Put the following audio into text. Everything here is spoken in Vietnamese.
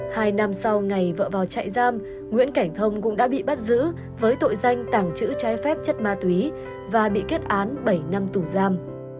hai năm sau ngày vợ vào chạy giam nguyễn cảnh thông cũng đã bị bắt giữ với tội danh tảng chữ trái phép chất ma thúy và bị kết án bảy năm tù giam